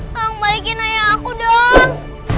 tolong balikin ayah aku dong